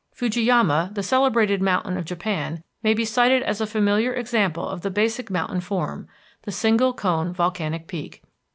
Fujiyama, the celebrated mountain of Japan, may be cited as a familiar example of the basic mountain form, the single cone volcanic peak.